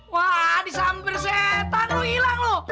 wah disampir setan lo hilang lo